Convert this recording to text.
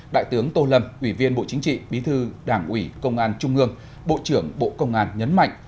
đại tướng tô lâm ủy viên bộ chính trị bí thư đảng ủy công an trung ương bộ trưởng bộ công an nhấn mạnh